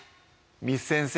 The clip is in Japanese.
簾先生